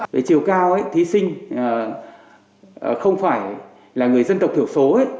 về chiều cao thí sinh không phải là người dân tộc thiểu số